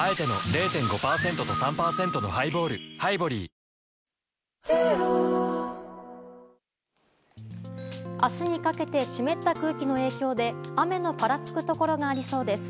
黒田さん、台風１５号の明日にかけて湿った空気の影響で雨のぱらつくところがありそうです。